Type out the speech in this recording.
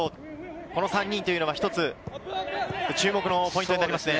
この３人というのは一つ、注目のポイントになりますね。